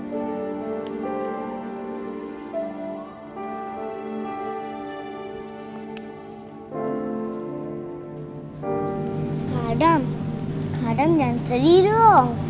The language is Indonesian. pak adam pak adam jangan sedih dong